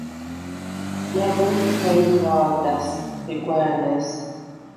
ნა̈ბოზდ ხვე̄მბვა̄ლდა̈ს, ხვიგვა̄̈ნა̈ს.